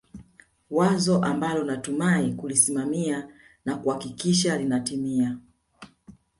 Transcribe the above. wazo ambalo natumai kulisimamia na kuhakikisha linatimia